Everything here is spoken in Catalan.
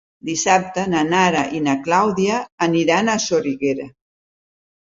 Dissabte na Nara i na Clàudia aniran a Soriguera.